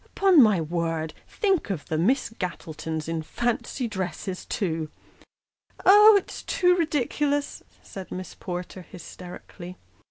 Upon my word ! think of the Miss Gattletons in fancy dresses, too !"" Oh, it's too ridiculous !" said Miss Porter, hysterically.